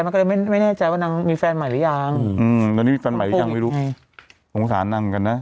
เคยเจอตอน